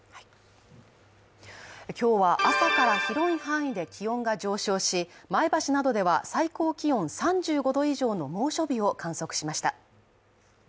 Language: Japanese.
今日は朝から広い範囲で気温が上昇し、前橋などでは最高気温３５度以上の猛暑日を観測しました。